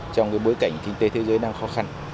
trong bối cảnh kinh tế thế giới đang khó khăn